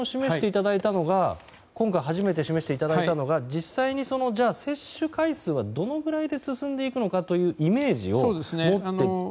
今回初めて示していただいたのが実際に接種回数はどのくらいで進んでいくのかというイメージを持っておられた？